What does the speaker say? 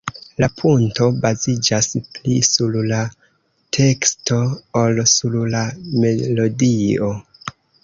La "punto" baziĝas pli sur la teksto ol sur la melodio.